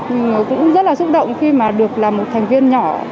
mình cũng rất là xúc động khi mà được làm thành viên nhỏ